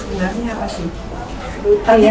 tadi jadi bilang katanya ga luti itu roti ya